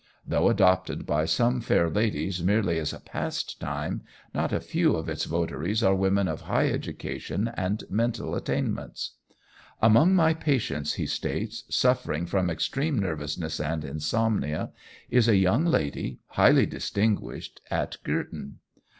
Though adopted by some fair ladies merely as a pastime, not a few of its votaries are women of high education and mental attainments. "Among my patients," he states, "suffering from extreme nervousness and insomnia, is a young lady, highly distinguished, at Girton.